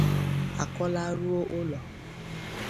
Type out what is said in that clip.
a kọlaruo ụlọ